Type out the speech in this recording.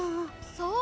そう？